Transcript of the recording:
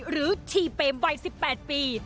หรือทีเปมวัย๑๘ปี